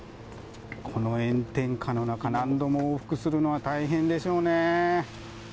この炎天下の中、何度も往復するのは大変でしょうね。